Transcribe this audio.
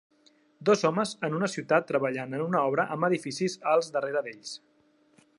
Dos homes en una ciutat treballant en una obra amb edificis alts darrere d'ells